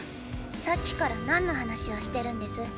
さっきから何の話をしてるんです？